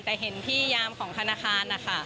แต่เห็นที่ยามของธนาคารนะคะ